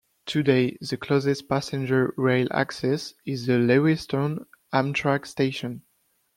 Today, the closest passenger rail access is the Lewistown Amtrak station.